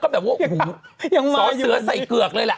ซ้อเสือใส่เกือกเลยล่ะ